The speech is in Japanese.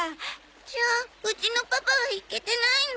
じゃあうちのパパはイケてないの？